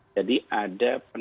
jadi ada penambahan